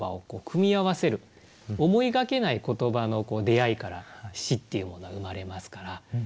思いがけない言葉の出会いから詩っていうものは生まれますから。